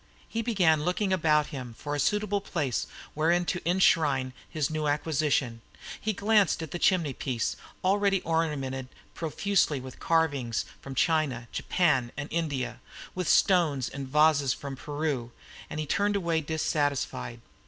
He began looking about him for a suitable place wherein to enshrine his new acquisition. He glanced at the chimney piece, already ornamented profusely with carvings from China, Japan, and India, with stones and vases from Peru, and turned away dissatisfied.